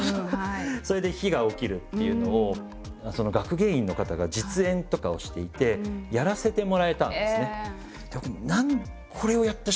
それで火がおきるっていうのを学芸員の方が実演とかをしていてやらせてもらえたんですね。